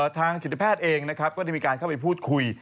ทางจิตแพทย์เองนะครับก็ได้มีการเข้าไปพูดคุย